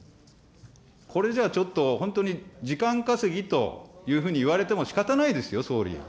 これじゃあ、ちょっと本当に時間稼ぎというふうに言われてもしかたないですよ、総理。